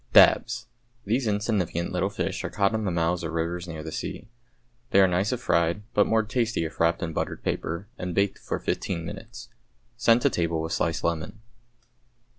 =Dabs.= These insignificant little fish are caught in the mouths of rivers near the sea. They are nice if fried, but more tasty if wrapped in buttered paper and baked for fifteen minutes. Send to table with sliced lemon.